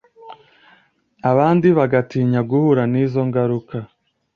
abandi bagatinya guhura n’izo ngaruka